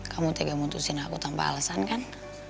kamu tidak memutuskan aku tanpa alasan kan